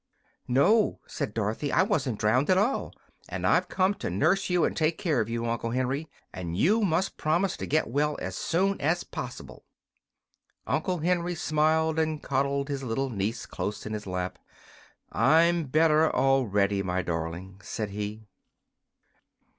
"No," said Dorothy, "I wasn't drowned at all. And I've come to nurse you and take care of you, Uncle Henry, and you must promise to get well as soon as poss'ble." Uncle Henry smiled and cuddled his little niece close in his lap. "I'm better already, my darling," said he.